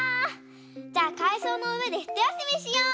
じゃあかいそうのうえでひとやすみしよう。